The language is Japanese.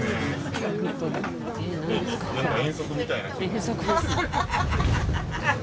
遠足ですね。